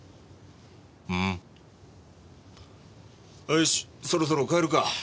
よしそろそろ帰るか。